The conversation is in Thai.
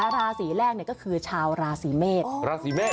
ราศีแรกก็คือชาวราศีเมษ